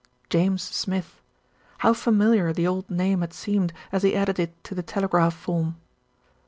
"James Smith!" How familiar the old name had seemed as he added it to the telegraph form.